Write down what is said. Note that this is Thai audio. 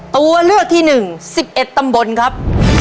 ตัวเลือกที่๑๑ตำบลครับ